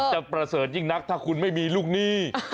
ประเสริฐยิ่งนักถ้าคุณไม่มีลูกหนี้